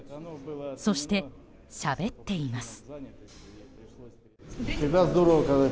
そして、しゃべっています。